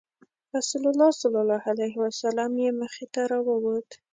رسول الله صلی الله علیه وسلم یې مخې ته راووت.